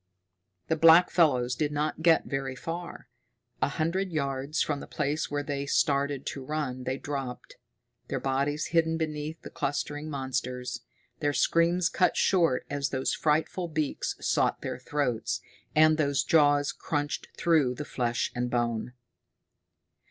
The blackfellows did not get very far. A hundred yards from the place where they started to run they dropped, their bodies hidden beneath the clustering monsters, their screams cut short as those frightful beaks sought their throats, and those jaws crunched through flesh and bone.